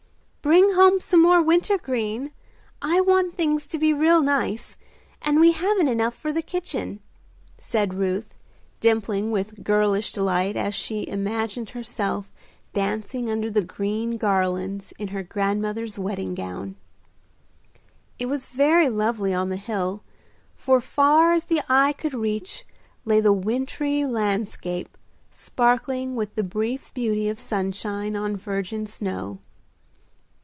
"Bring home some more winter green, I want things to be real nice, and we haven't enough for the kitchen," said Ruth, dimpling with girlish delight as she imagined herself dancing under the green garlands in her grandmother's wedding gown. It was very lovely on the hill, for far as the eye could reach lay the wintry landscape sparkling with the brief beauty of sunshine on virgin snow.